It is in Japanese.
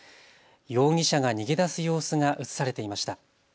容疑者が逃げ出す様子が映されていました。